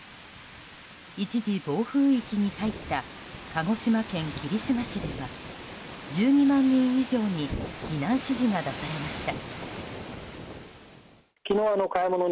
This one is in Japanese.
一時、暴風域に入った鹿児島県霧島市では１２万人以上に避難指示が出されました。